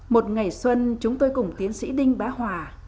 một ngày xuân chúng tôi cùng tiến sĩ đinh bá hòa